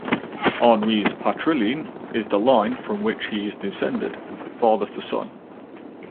Henri's patriline is the line from which he is descended father to son.